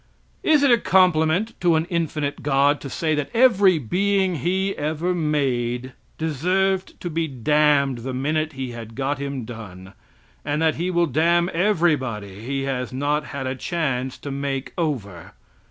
Is it a compliment to an infinite God to say that every being He ever made deserved to be damned the minute He had got him done, and that He will damn everybody He has not had a chance to make over?